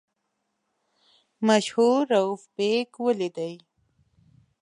مشهور رووف بېګ ولیدی.